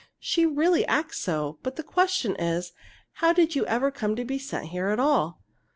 She really acts so. But the question is, how did you ever come to be sent here at all?